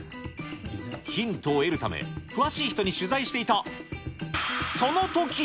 ヒントを得るため、詳しい人に取材していたそのとき！